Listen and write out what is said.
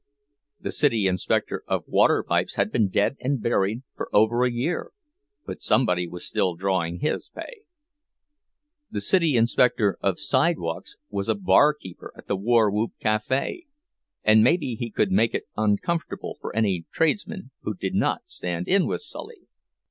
The city inspector of water pipes had been dead and buried for over a year, but somebody was still drawing his pay. The city inspector of sidewalks was a barkeeper at the War Whoop Cafe—and maybe he could make it uncomfortable for any tradesman who did not stand in with Scully!